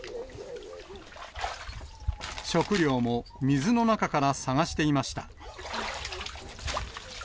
食料も水の中から探していました。